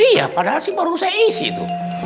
iya padahal sih baru saya isi tuh